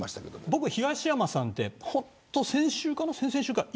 僕、東山さんって先週か先々週かな